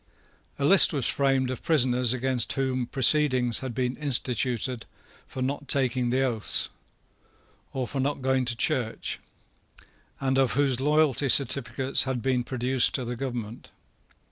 A list was framed of prisoners against whom proceedings had been instituted for not taking the oaths, or for not going to church, and of whose loyalty certificates had been produced to the government.